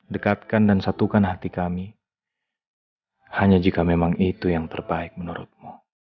dekatkan dan satukan hati kami hanya jika memang itu yang terbaik menurutmu